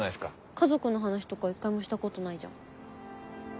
家族の話とか一回もしたことないじゃん。